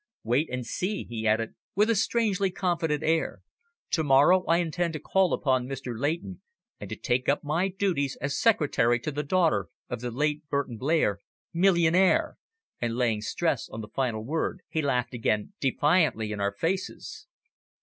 Wait and see," he added, with a strangely confident air. "To morrow I intend to call upon Mr. Leighton, and to take up my duties as secretary to the daughter of the late Burton Blair, millionaire," and laying stress on the final word, he laughed again defiantly in our faces.